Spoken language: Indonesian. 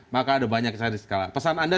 maka ada banyak kesalahan di sekalian pesan anda